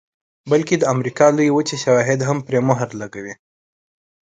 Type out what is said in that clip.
بلکې د امریکا لویې وچې شواهد هم پرې مهر لګوي